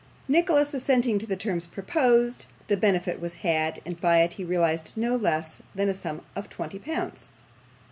Nicholas assenting to the terms proposed, the benefit was had, and by it he realised no less a sum than twenty pounds.